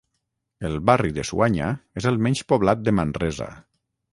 El barri del Suanya és el menys poblat de Manresa.